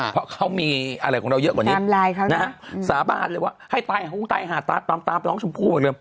เพราะเขามีอะไรของเราเยอะกว่านี้นะฮะสาบานเลยว่าให้ตายหาตามน้องชมพู่หมดเลย